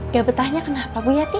dia betahnya kenapa bu yati